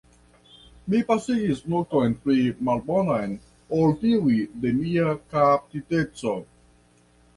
Mi pasigis nokton pli malbonan ol tiuj de mia kaptiteco.